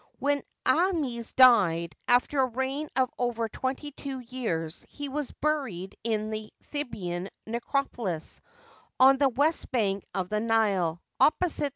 When Aahmes died, after a reign of over twenty two years, he was buried in the Theban necropolis, on the west bank of the Nile, opposite.